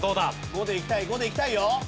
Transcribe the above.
５でいきたい５でいきたいよ。